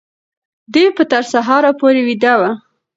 دی به تر سهاره پورې ویده وي.